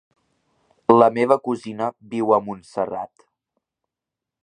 La meva cosina viu a Montserrat.